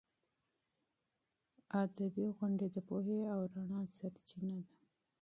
ادبي غونډې د پوهې او رڼا سرچینه ده.